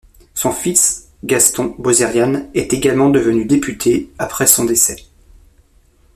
Son fils Gaston Bozérian est également devenu député après son décès.